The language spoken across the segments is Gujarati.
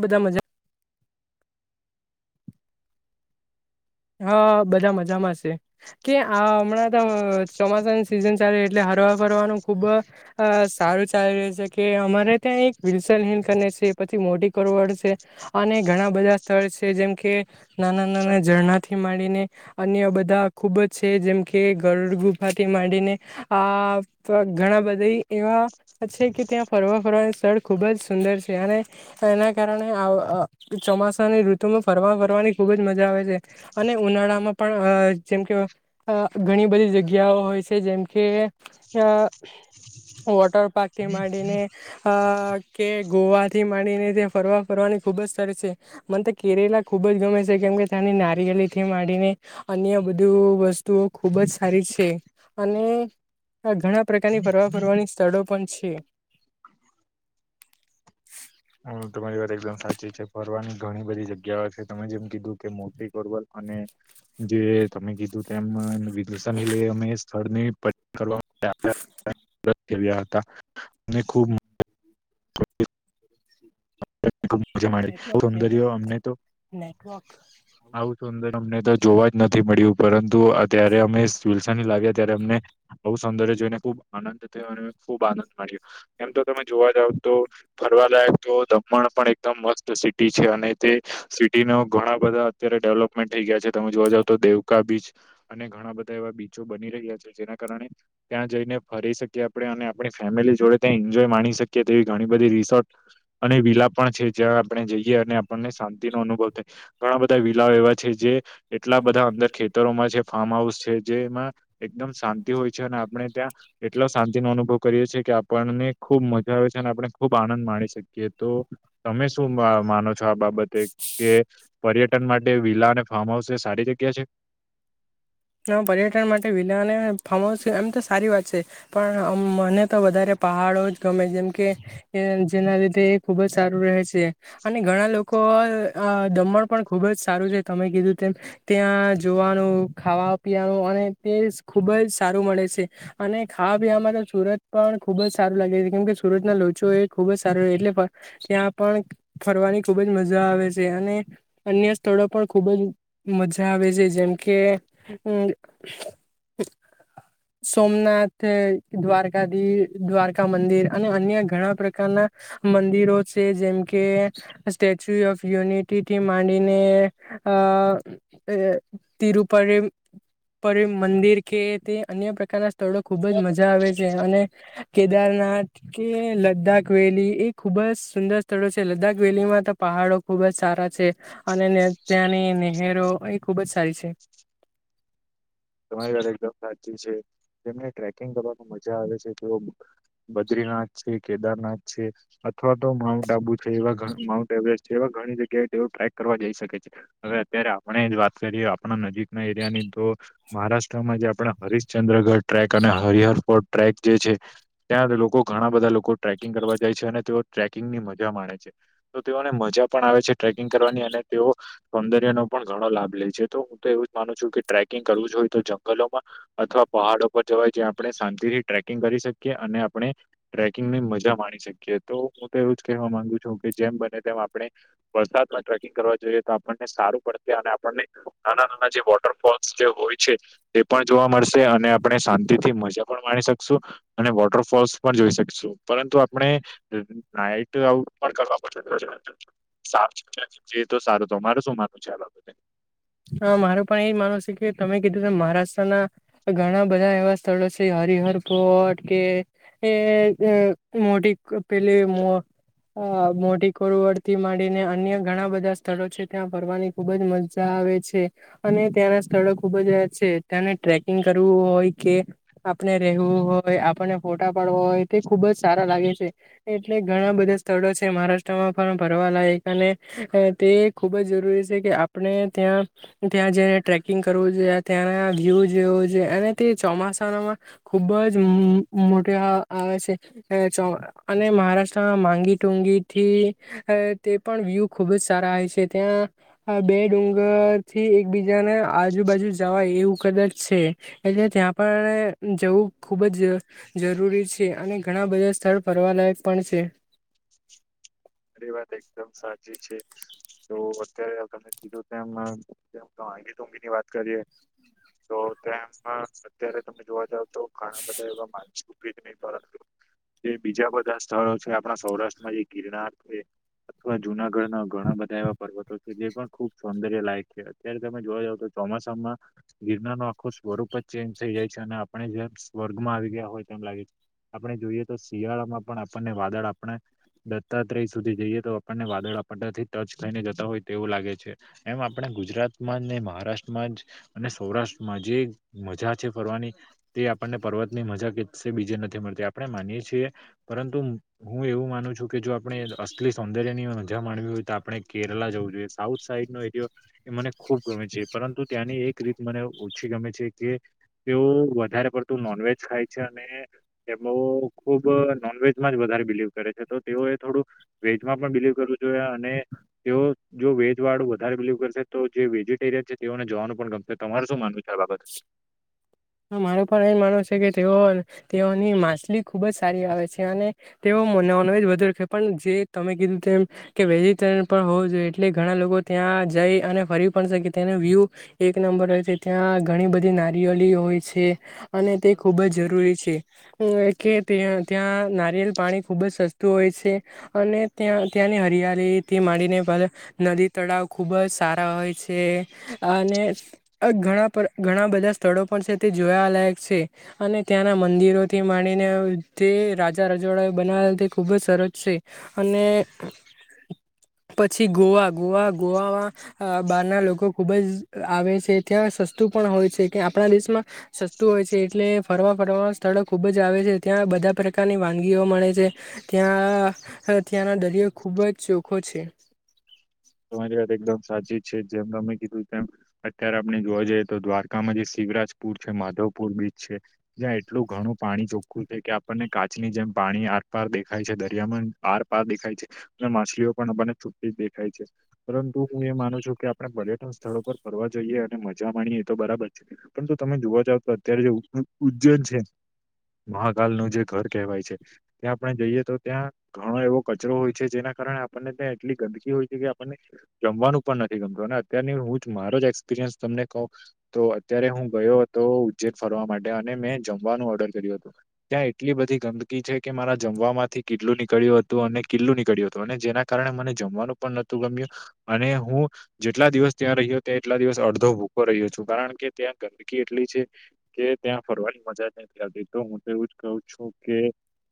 બધા મજા. હા બધા મજામાં છે, કે આ હમણાં તો ચોમાસાની સિઝન ચાલે. એટલે હરવા ફરવાનું ખુબ, અ સારું ચાાલ રહે છે કે અમારે ત્યાં એક વિલસલનહિલ કરીને છે પછી મોટી કોરવડ છે, અને ઘણા બધા સ્થળ છે જેમ કે. નાના નાના જરણા થી માંડીને, અન્ય બધા ખુબ જ છે જેમ કે ગરડ ગુફાથી માંડીને, આ આ ઘણા બધા એવા છે કે ત્યાં ફરવા ફરવાનું સ્થળ ખૂબ જ સુંદર છે અને એના કારણે ચોમાસાની ઋતુમાં ફરવા ફરવાની ખુબ જ મજા આવે છે. અને ઉનાળામાં પણ જેમ કે, ઘણી બધી જગ્યાઓ હોય છે. જેમ કે? વોટરપાર્કથી માંડિને કે ગોવાથી માંડીને તે ફરવા ફરવાની ખુબ જ સરસ છે, મને તો કેરેલા ખુબ જ ગમે છે. કેમ કે ત્યાની. થી માંડીને અન્ય બધી વસ્તુઓ ખુબ જ સારી છે, અને આ ઘણા પ્રકારની હમ ફરવા-ફરવાની સ્થળો પણ છે. તમારી વાત એકદમ સાચી છે. ફરવાની ઘણી બધી જગ્યાઓ છે, તમે જેમ કીધું કે મોટી ગરવલ અને જે તમે કીધું. તેમ વિદુષ લઈ અમે. સ્થળની પયટન કરવા માટે આવ્યા હતા, અને ખુબ ખૂબ મજા માણી નેટવર્ક સૌંદર નેટવર્ક અમને તો નેટવર્ક આવું સુંદર. જોવા જ નથી મળ્યું, પરંતુ અત્યારે અમે લસા લાગ્યા ત્યારે અમને બ સૌદર્ય જોઈને ખુબ આનંદ થયો અને ખુબ આનંદ માણ્યો. એમ તો તમે જોવા જાવ, તો ફરવાલાયક તો દમણ પણ એકદમ મસ્ત સિટી છે, અને તે સિટીના ઘણા બધા અત્યારે ડેવલપમેન્ટ થઈ ગયા છે. તમે જોવા જાવ તો દેવકા બીચ અને ઘણા બધા એવા બીચો બની રહ્યા છે જેના કારણે ત્યાં જઈને ફરી શકીએ આપણે અને આપણી ફેમિલી જોડે ત્યાં એન્જોય માણી શકીએ. તેવી ઘણી બધી રિશોટ અને વિલા પણ છે, જ્યાં આપણે જઈએ અને આપણને શાંતિનો અનુભવ થાય. ઘણા બધા વિલાઓ એવા છે, જે એટલા બધા અંદર ખેતરોમાં છે, ફાર્મ હાઉસ છે, જેમાં એકદમ શાંતિ હોય છે, અને આપણે ત્યાં એટલો શાંતિનો અનુભવ કરીએ છીએ કે આપણને ખુબ મજા આવે છે. આપણે ખુબ આનંદ માણી શકીએ તો. તમે શું માનો છો આ બાબતે કે પર્યટ માટે વિલા અને ફાર્મ હાઉસ એ સારી જગ્યા છે. પર્યટન માટે વિલા અને ફાર્મ હાઉસ એમ તો સારી વાત છે પણ મને તો વધારે પહાડો જ ગમે જેમ કે જેના લીધે એ ખુબ જ સારું રહે છે અને ઘણા લોકો તો દમણ પણ ખુબ જ સારું છે તમે કીધું તેમ ત્યાં જોવાનું ખાવા પીવાનું અને તે ખૂબ જ સારું મળે છે અને ખાવા પીવામાં તો સુરત પણ ખુબ જ સારું લાગે, કેમ કે સુરત ના લોચો એ ખુબ જ સારું. એટલે ત્યાં પણ ફરવાની ખૂબ ખૂબ જ મજા આવે છે, અને અન્ય સ્થળો પણ ખૂબ જ મજા આવે છે, જેમ કે હમ્મ. સોમનાથ, દ્વારકાધીશ, દ્વારકા મંદિર અને અન્ય ઘણા પ્રકારના મંદિરો છે. જેમ કે સ્ટેચ્યુ ઓફ યુનિટી થી માંડીને તિરુપરી મંદિર કે તે અન્યકાર ના સ્થળો ખુબ જ મજા આવે છે. અને કેદારનાથ કે લદાખ વેલી એ ખુબ જ સુંદર સ્થળો છે. લદાખ વેલીમાં તો પહાડો ખુબ જ સારા છે. અને ત્યાંની નહેરો એ ખુબ જ સારી છે. તમારી વાત એકદમ સાચી છે. જેમને ટ્રેકિંગ કરવાનું મજા આવે છે, તેઓ બદ્રીનાથ છે, કેદારનાથ છે અથવા તો માઉન્ટ આબુ છે, એવા માઉન્ટ એવરેસ્ટ છે એવા ઘણી જગ્યાએ તેવ ટ્રેક કરવા જઈ શકે છે હવે અત્યારે આપણે વાત કરીએ આપણા નજીક ના એરિયાની તો મહારાષ્ટ્રમાં જે આપણા હરિશ્ચંદ્રગઢ ટ્રેક અને હરિહર ફોર્ટ ટ્રેક જે છે ત્યાં લોકો ઘણા બધા લોકો ટ્રેકિંગ કરવા જાય છે અને તેઓ ટ્રેકિંગની મજા માણે છે તો તેઓને મજા પણ આવે છે ટ્રક કિંગ કરવાની અને તેઓ સૌંદર્ય નો પણ ઘણો લાભ લે છે તો હું તો એવું જ માનું છું કે ટ્રેકિંગ કરવું જો હોય તો જંગલોમાં અથવા પહાડો પર જવાય જ્યાં આપણે શાંતિથી ટ્રેકિંગ કરી શકીએ અને આપણે ટ્રેકિંગની મજા માણી શકીએ તો હું તો એવું જ કહેવા માંગુ છું કે જેમ બને તેમ આપણે વરસાદમાં ટ્રેકિંગ કરવા જોઈએ તો આપણને સારું પડે અને આપણને નાના નાના જે વોટરફોલ હોય છે તે પણ જોવા મળશે અને આપણે શાંતિ થી મજા પણ માણી શકશું અને વોટર પણ જોઈ શકશું, પરંતુ આપણે નાઈટડ સારું તોરે શું માનું છે આ બાબતે હા મારું પણ એજ માનવું છે કે તમે કીધું છે મહારાષ્ટ્ર ના ઘણા બધા એવા સ્થળો છે હરિહર ફોર્ટ કે એ મોટી પેલી અ મોટી કોરવડથી માંડીને અન્ય ઘણા બધા સ્થળો છે ત્યાં ફરવાની ખુબજ મજા આવે છે. અને ત્યાંના સ્થળો ખુબ જ છે ત્યાંને ટ્રેકિંગ કરવું હોય કે આપણે રહેવું હોય આપણને ફોટા પાડવા હોય તે ખુબ જ સારા લાગે છે. એટલે ઘણા બધા સ્થળો છે. મહારાષ્ટ્રમાં પણ ફરવાલાયક અને તે ખૂબ જ જરૂરી છે કે આપણે ત્યાં ત્યાં જઈને ટ્રેકિંગ કરવું જોઈએ. ત્યાંના વ્યૂ જેવો જોઈ અને તે ચોમા સામા ખુબ જ મોટી આવે છે. અને મહારાષ્ટ્રના માંગી ટુંગી થી તે પણ વ્યુ ખુબ જ સારા હો છે. ત્યાં બે ડુંગર થી એકબીજાને આજુબાજુ જવાય એવું કદાચ છે એટલે ત્યાં પણ જવું ખૂબ જ જરૂરી છે અને ઘણા બધા સ્થળ ફરવાલાયક પણ છે. તમારી વાત એકદમ સાચી છે. તો અત્યારે તમે કીધું તેમ તો માંગી તુંગી ની વાત કરીએ તો તેમ અત્યારે તમે જોવા જાવ તો ઘણા બધા એવા [unintelligible] બીજા બધા સ્થળો છે. આપણા સૌરાષ્ટ્રમાં જે ગિરનાર છે. અથવા જુનાગઢના ઘણા બધા એવા પર્વતો છે જે પણ ખુબ સૌંદર્ય લાયક છે. અત્યારે તમે જોવા જાવ તો ચોમાસામાં ગિરનારનો આખું સ્વરૂપ જ ચેન્જ થઈ જાય છે અને આપણે જેમ સ્વર્ગમાં આવી ગયા હોય તેમ લાગે છે. આપણે જોઈએ તો શિયાળામાં પણ આપણને વાદળ આપણે દત્તાત્રેય સુધી જઈએ તો આપણને વાદળ આપણનેથી ટચ થઈને જતા હોય તેવું લાગે છે. એમ આપણે ગુજરાતમાં ને મહારાષ્ટ્રમાં જ અને સૌરાષ્ટ્રમાં જે મજા છે ફરવાની તે આ પણને પર્વત ની મજા કે બીજે નથી મળતી આપણે માનીએ છીએ પરંતુ હું એવું માનું છું કે જો આપણે અસ્લી સૌંદર્ય ની મજા માણવી હોય તો આપણે કેરલા જવું જોઈએ સાઉથ સાઈડ નો એરિયો. એ મને ખૂબ ગમે છે પરંતુ ત્યાંની એક રીત મને ઓછી ગમે છે કે, તેઓ વધારે પડતું નોનવેજ ખાય છે અને તેઓ ખૂબ નોનવેજમાં જ વધારે બિલિવ કરે છે તો તેઓએ થોડું, વેજમાં પણ બિલીવ કરવું જોઈએ અને, તેઓ જો વેજ વાળું વધારે બિલીવ કરશે તો જે વેજીિટેરિયન છે તેઓને જવાનું પણ ગમશે. તમાર શું માનવું છે આ બાબતે? હ મારું પણ એ માનવુ છે કે તેઓ તેઓની માછલી ખુબ જ સારી આવે છે. અને તેઓ નોન વેજ વધારે ખાય પણ જે તમે કીધું તેમ વેજીરયન પણ હોવું જોઈએ એટલે ઘણા લોકો ત્યાં ત્યા જઈ અને ફરી પણ કે તેનો વ્યુ એક નંબર હોય છે. ત્યાં ઘણી બધી નારિયલી હોય છે અને તે ખુબ જ જરૂરી છે. કે ત્યાં નારિયેલ પાણી ખૂબ જ સસ્તું હોય છે. અને ત્યાં ત્યાંની હરી ત્યારે તે માંડીને નદી તળાવ ખૂબ જ સારા હોય છે અને આ ઘણા પર ઘણા બધા સ્થળો પણ છે. તે જોયાલાયક છે અને ત્યાંના મંદિરોથી માંડીને થી રાજા રજોડા બના વેલા તે ખૂબ જ સરસ છે, અને પછી ગોવા ગોવા ગોવામાં, અ બારના લોકો ખુબ જ આવે છે ત્યાં સસ્તું પણ હોય છે કે આપણા દેશમાં, સસ્તું હોય છે એટલે ફરવા ફરવા સ્થળો ખૂબ જ આવે છે ત્યાં બધા પ્રકારની વાનગીઓ મળે છે, ત્યાં હથિયાારનો દરિયો ખૂબ જ ચોખો છે. તમારી વાત એકદમ સાચી જ છે જેમ તમે કીધું તેમ, અત્યારે આપણે જોવા જઈએ તો દ્વારકામાં જે શિવરાજપુર છે માધવપુર બીચ છે, જ્યાં એટલું ઘણું પાણી ચોખ્ખું છે કે આપણને કાચની જેમ પાણી આર પાર દેખાય છે દરિયામાં આરપાર દેખાય છે, અને માછલીઓ પણ આપણને છૂટી દેખાય છે. પરંતુ હું એ માનું છું કે આપણે પર્યટન સ્થળો પર ફરવા જઈએ અને મજા માણીએ એ તો બરાબર છે. પણ જો તમે જોવા જાવ તો અત્યારે જે ઉદ્જૈન છે. મહાકાલ નું જે ઘર કહેવાય છે, ત્યાં આપણે જઈએ તો ત્યાં ઘણો એવો કચરો હોય છે જેના કારણે આપણને ત્યા એટલી ગંદકી હોય છે કે આપણને જમવાનું પણ નથી ગમતું અને અત્યાર હું મારો એક્સપિરિયન્સ તમને કહું, તો અત્યારે હું ગયો હતો ઉજ્જેર ફરવા માટે અને મેં જમવાનું ઓર્ડર કર્યું હતું, ત્યાં એટલી બધી ગંદકી છે. કે મારા જમવા થી કટલું નીકળ્યું હતું અને કેિલ્લું નીકળ્યું હતું અને જેના કારણે મને જમવાનું પણ નથી મ અને હું જેટલા દિવસ ત્યાં રહ્યો ત્યા એટલા દિવસ અડધો ભૂકો રહ્યો છું કારણ કે ત્યાં ગંદકી એટલી છે, કે ત્યાં ફરવાની મજા નથી આવતી તો હું તો એવું જ કહ છું કે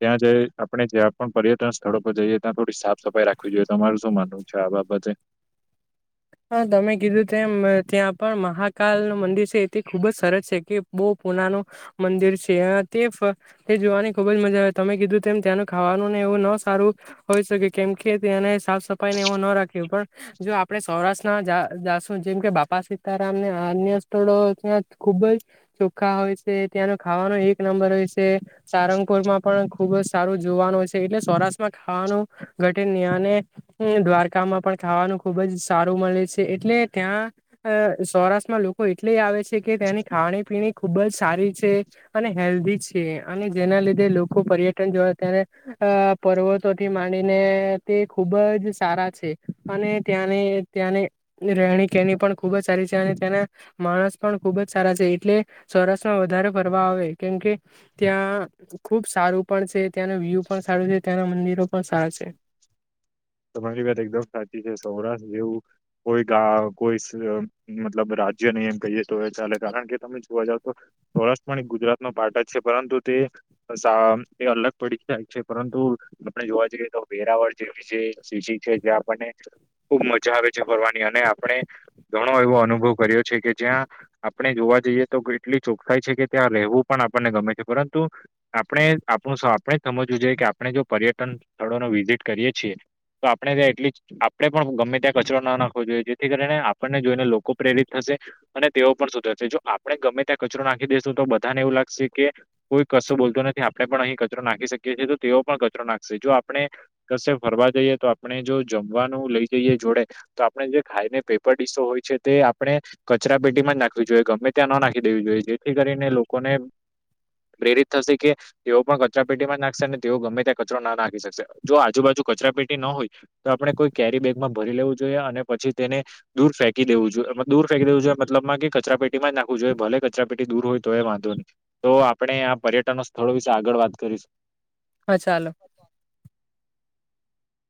ત્યાં જઈ આપણે જ્યાં પણ પર્યટન સ્થળો પર જઈએ ત્યાં થોડી સાફ સફાઈ રાખવી જોઈએ તમારું શું માનવું છે. છા આ બાબતે. હા તમે કીધું ત્યા ત્યાં પણ મહાકાલ ન મંદિર છે એ ખુબ જ સરસ છે કે બહ પુનાનું મંદિર છે, તે જોવાની ખુબ જ મજા આવે તમે કીધું તેમ ત્યાનું ખાવાનું ને ન સારું, હોય શકે કેમ કે તેને સાફ સફાઈ ને એવું ન રાખ્યું પણ જો આપણે સૌરાષ્ટ્રના જાસુ જેમ કે બાપા સીતારામને અન્ય સ્થળો ત્યાં ખુબજ. ખા હોય છે ત્યાંનો ખાવાનો એક નંબર હોય છે, સારંગપુરમાં પણ ખુબ જ સારું જોવાનું છે એટલે સૌરાષ્ટ્રમાં ખાવાનું, ઘટે અને દ્વારકામાં પણ ખાવાનું ખુબજ સારું મળે છે એટલે ત્યાં, સૌરાષ્ટ્રમાં લોકો એટલે આવે છે કે ત્યાંની ખાણી પીણી ખુબ જ સારી છે, અને હેલ્ધી છે અને જેના લીધે લોકો પર્યટન જો તને અ પર્વતોથી માંડીને તે ખુબજ સારા છે, અને ત્યાંને ત્યાંની રહેણી કેણી પણ ખુબ જ સારી છે અને ત્યાંના માણસ પણ ખુબજ સારા છે એટલે. સરસમાં વધારે ફરવા આવે કેમકે, ત્યાં ખુબ સારું પણ છે. ત્યાંનો વ્યુ પણ સારું છે ત્યાંના મંદિરો પણ સારા છે. તમારી વાત એકદમ સાચી છે સૌરાષ્ટ્ર જેવું, કોઈ ગા કોઈ મતલબ રાજ્ય નહી, એમ કહીએ તો ચાલે કારણ કે, તમે જોવા જાવ તો સૌરાષ્ટ્ર ગુજરાત નો પાર્ટ જ છે પરંતુ તે એ અલગ પડી થાય છે, પરંતુ આપણે જોવા જઈએ તો વેરાવળ જેવી છે. શિશી છે, જે આપણને ખુબ મજા આવે છે, ફરવાની અને આપણે ઘણો એવો અનુભવ કર્યો છે, કે જ્યાં આપણે જોવા જઈએ તો કેટલી ચોખાઈ છે, કે ત્યાં લેવું પણ આપણને ગમે છે, પરંતુ આપણે આપણું આપણે સમજવું જોઈએ, કે આપણે જો પર્યટન સ્થળોનો વિઝિટ કરીએ છીએ તો આપણે ત્યા એટલીસ્ટ આપણે પણ ગમે ત્યાં કચરો ના નાખવો જોઈએ, જેથી કરીને આપણને જોઈને લોકો પ્રેરિત થશે અને તેઓ પણ શું થશે, જો આપણે ગમે ત્યાં કચરો નાખી દેશું, તો બધાને એવું લાગશે કે કોઈ કશું બોલતો નથી આપણે પણ અહીં કચરો નાખી શકીએ છીએ તો તેઓ પણ કચરો નાખશે જો આપણે, કસે ફરવા જઈએ તો આપણે જો જમવાનું લઈ જઈએ જોડે, તો આપણે જે ખાઈને પેપર ડીસો હોય છે તે આપણે કચરા પેટીમાં જ નાખવી જોઈએ ગમે ત્યાં ન નાખી દેવી જોઈએ જેથી કરીને લોકોને પ્રેરિત થશે કે, તેઓ પણ કચરા પેટીમાં જ નાખશે અને તેઓ ગમે ત્યાં કચરો નાખી શકશે જો આજુબાજુ કચરા પેટી હોય તો આપણે કોઈ કેરી બેગમાં ભરી લેવું જોઈએ અને પછી, તેને દૂર ફેંકી દેવું જોઈએ દૂર ફેવું જો મતલબમાં કચરા પેટીમાં જ નાખવું જોઈએ ભલે કચરા પેટી દૂર હોય તો એ વાંધ નહી, તો આપણેે પર્યટન સ્થળો વિશે આગળ વાત કરીશું. હા ચાલો.